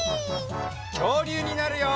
きょうりゅうになるよ！